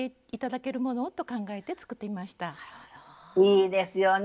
いいですよね。